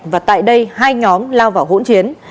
và tại đây hai nhóm lao vào hỗn chiến